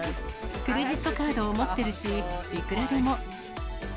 クレジットカードを持ってるし、いくらでも。